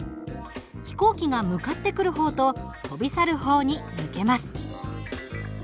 飛行機が向かってくる方と飛び去る方に向けます。